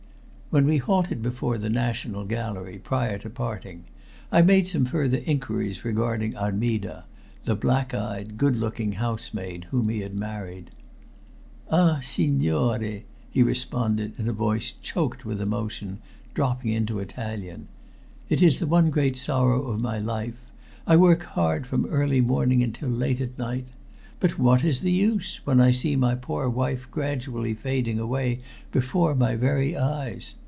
When we halted before the National Gallery prior to parting I made some further inquiries regarding Armida, the black eyed, good looking housemaid whom he had married. "Ah, signore!" he responded in a voice choked with emotion, dropping into Italian. "It is the one great sorrow of my life. I work hard from early morning until late at night, but what is the use when I see my poor wife gradually fading away before my very eyes?